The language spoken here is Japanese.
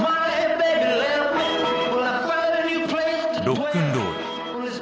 ロックンロール。